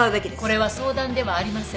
これは相談ではありません。